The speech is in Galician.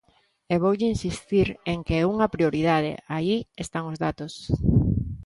E voulle insistir en que é unha prioridade, aí están os datos.